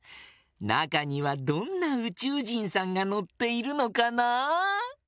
なかにはどんなうちゅうじんさんがのっているのかな？